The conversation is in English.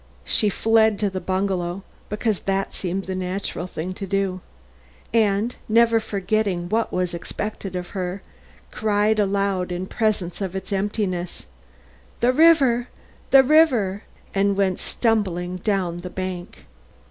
She fled to the bungalow, because that seemed the natural thing to do, and never forgetting what was expected of her, cried aloud in presence of its emptiness: "The river! the river!" and went stumbling down the bank.